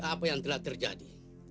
apa yang telah terjadi